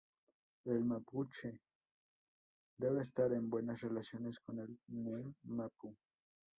El mapuche debe estar en buenas relaciones con el ngen-mapu.